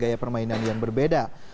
gaya permainan yang berbeda